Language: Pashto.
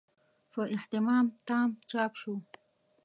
په اهتمام تام چاپ شو.